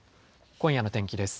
今夜の天気です。